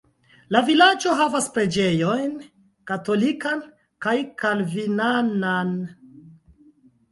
La vilaĝo havas preĝejojn katolikan kaj kalvinanan.